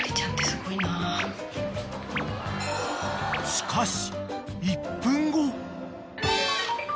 ［しかし］